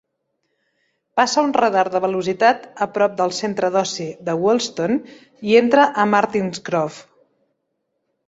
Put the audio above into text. Passa un radar de velocitat a prop del centre d'oci de Woolston i entra a Martinscroft.